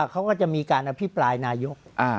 เขาก็จะมีการอภิปรายนายก